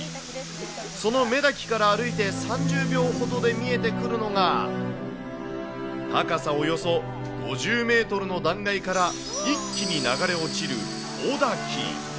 その雌滝から歩いて３０秒ほどで見えてくるのが、高さおよそ５０メートルの断崖から一気に流れ落ちる雄滝。